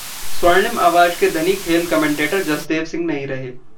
स्वर्णिम आवाज के धनी खेल कमेंटेटर जसदेव सिंह नहीं रहे